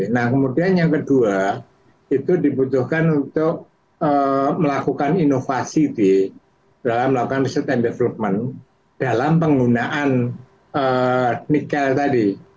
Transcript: nah kemudian yang kedua itu dibutuhkan untuk melakukan inovasi dalam melakukan research and development dalam penggunaan nikel tadi